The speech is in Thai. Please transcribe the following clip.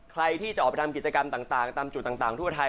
ใครที่จะออกไปทำกิจกรรมต่างตามจุดต่างทั่วไทย